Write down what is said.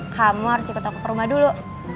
kamu harus ikut aku ke rumah dulu